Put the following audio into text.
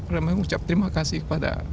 sudah mengucap terima kasih kepada